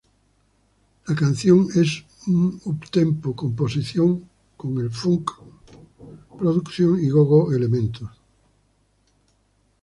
La canción es un up-tempo composición con el funk producción y go-go elementos.